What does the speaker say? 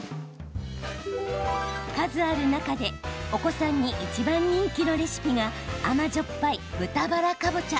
数ある中で、お子さんにいちばん人気のレシピが甘じょっぱい豚バラかぼちゃ。